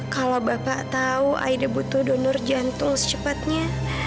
kalau bapak tahu aida butuh donor jantung secepatnya